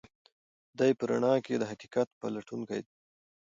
دی په رڼا کې د حقیقت پلټونکی دی.